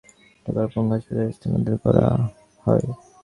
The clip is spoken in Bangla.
পরে অবস্থার অবনতি হলে তাঁকে ঢাকার পঙ্গু হাসপাতালে স্থানান্তর করা হয়।